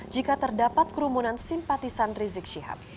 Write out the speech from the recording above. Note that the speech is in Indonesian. jika terdapat kerumunan simpatisan rizik syihab